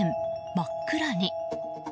真っ暗に。